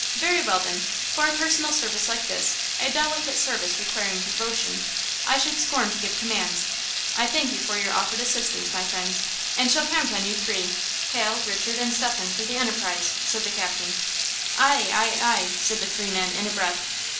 "Very well, then, for a personal service like this, a delicate service requiring devotion, I should scorn to give commands! I thank you for your offered assistance, my friends, and shall count on you three Hal, Stephen and Richard for the enterprise!" said the captain. "Ay, ay, ay!" said the three men, in a breath.